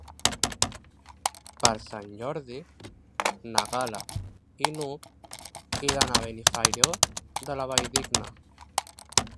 Per Sant Jordi na Gal·la i n'Hug iran a Benifairó de la Valldigna.